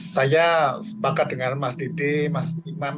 saya sepakat dengan mas dede mas imam